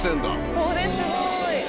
これすごい。